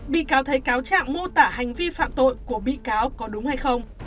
bị cáo thấy cáo trạng mô tả hành vi phạm tội của bị cáo có đúng hay không